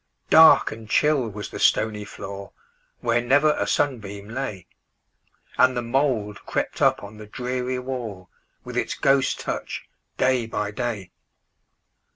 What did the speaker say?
Dark and chill was the stony floor, Where never a sunbeam lay, And the mould crept up on the dreary wall, With its ghost touch, day by day.